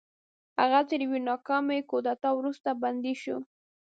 هغه تر یوې ناکامې کودتا وروسته بندي شو.